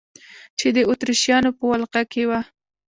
چې د اتریشیانو په ولقه کې وه.